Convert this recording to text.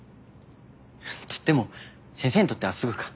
っていっても先生にとってはすぐか。